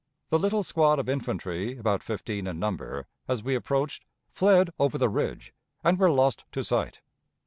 The little squad of infantry, about fifteen in number, as we approached, fled over the ridge, and were lost to sight.